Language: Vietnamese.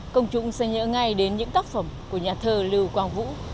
công chúng sẽ nhớ ngay đến những tác phẩm của nhà thơ lưu quang vũ